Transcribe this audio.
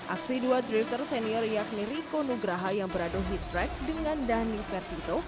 aksi dua drifter senior yakni riko nugraha yang beradu heat track dengan daniel ferdinand